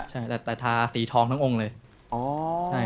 ใช่แต่ทาสีทองทั้งองค์เลย